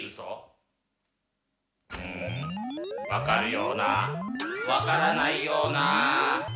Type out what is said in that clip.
うんわかるようなわからないような。